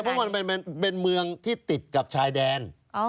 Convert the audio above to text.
เพราะมันเป็นเมืองที่ติดกับชายแดน